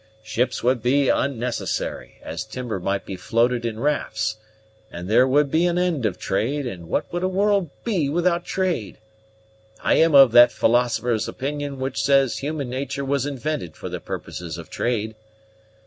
Ships would be unnecessary, as timber might be floated in rafts, and there would be an end of trade, and what would a world be without trade? I am of that philosopher's opinion who says human nature was invented for the purposes of trade.